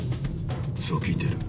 そう聞いてる。